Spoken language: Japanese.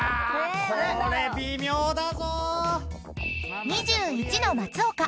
これ微妙だぞ！